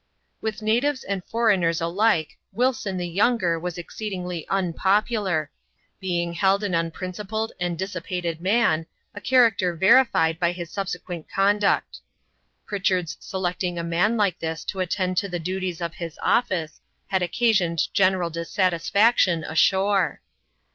With natives and foreigners alike, Wilson the younger was exceedingly unpopular, being held an unprincipled and dissi pated man, a character verified by his subsequent conduct. Pritchard's selecting a man like this to attend to the duties of bis office, had occasioned general dissatisfaction ashore.